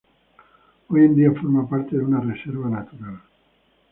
Hoy en día forma parte de una reserva natural.